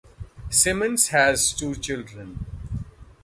Simmons has two children.